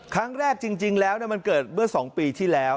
ครั้งแรกจริงแล้วมันเกิดเมื่อ๒ปีที่แล้ว